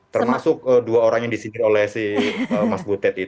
termasuk dua orang yang disindir oleh si mas butet itu